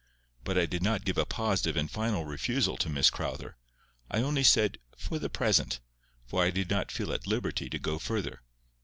But I did not give a positive and final refusal to Miss Crowther. I only said "for the present;" for I did not feel at liberty to go further.